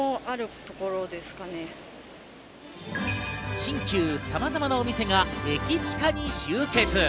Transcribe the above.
新旧さまざまなお店が駅地下に集結。